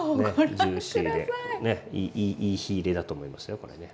ジューシーでいい火入れだと思いますよ